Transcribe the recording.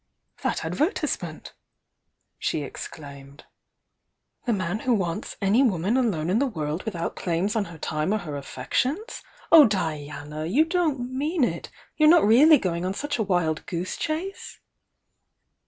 Ihat advertisement! " she exclaimed. "The man v^ho wants 'Any woman alone in the world. wS THE YOUNG DIANA 81 claims on her time or her affections'? Oh, Diana! You don't mean it! You're not really going on such a wild goose chase?"